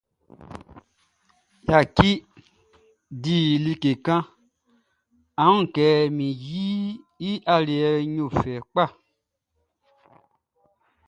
Yaki, di like kan; á wún kɛ min yiʼn i aliɛʼn ti fɛ.